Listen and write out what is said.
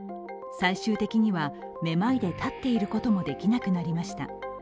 最終的にはめまいで立っていることもできなくなりました。